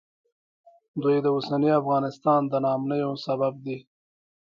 دوی د اوسني افغانستان د ناامنیو سبب دي